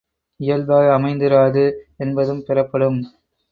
இயல்பாய் அமைந்திராது என்பதும் பெறப்படும்.